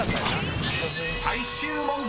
［最終問題］